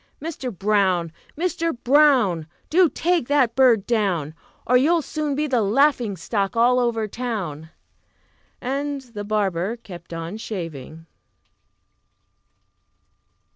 Mister Brown! Mister Brown! Do take that bird down, Or you'll soon be the laughing stock all over town!" And the barber kept on shaving.